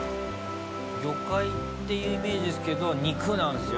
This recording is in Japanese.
魚介っていうイメージですけど肉なんですよ